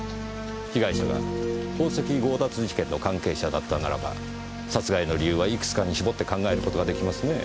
被害者が宝石強奪事件の関係者だったならば殺害の理由はいくつかに絞って考える事ができますねぇ。